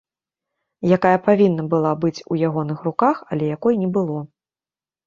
Якая павінна была быць у ягоных руках, але якой не было.